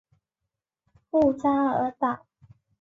布沙尔岛。